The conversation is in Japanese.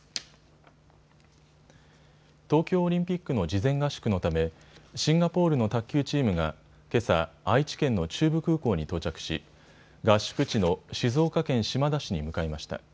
東京オリンピックの事前合宿のためシンガポールの卓球チームがけさ、愛知県の中部空港に到着し合宿地の静岡県島田市に向かいました。